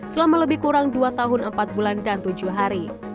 selama lebih kurang dua tahun empat bulan dan tujuh hari